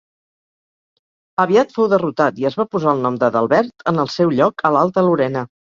Aviat fou derrotat i es va posar el nom d'Adalbert en el seu lloc a l'Alta Lorena.